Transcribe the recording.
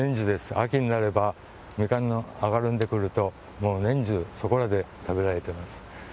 秋になれば、ミカンがあかるんでくると、もう年中、そこらで食べられてます。